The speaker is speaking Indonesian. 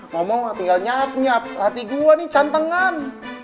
ngomong tinggal nyat nyat hati gua nih cantengan